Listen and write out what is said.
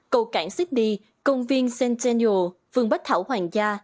cầu cảng sydney công viên centennial vườn bách thảo hoàng gia